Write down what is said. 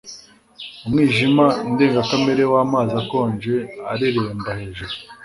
umwijima ndengakamere w'amazi akonje areremba hejuru